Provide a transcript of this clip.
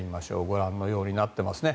ご覧のようになっています。